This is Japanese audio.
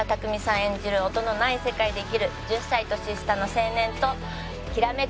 演じる音のない世界で生きる１０歳年下の青年ときらめく